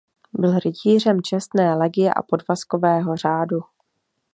Byl rytířem Čestné legie a Podvazkového řádu.